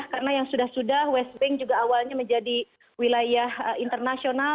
karena yang sudah sudah west bank juga awalnya menjadi wilayah internasional